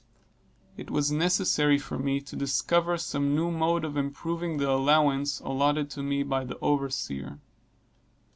It was necessary for me to discover some new mode of improving the allowance allotted to me by the overseer.